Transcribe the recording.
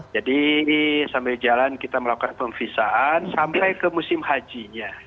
jadi sambil jalan kita melakukan pemfisaan sampai ke musim hajinya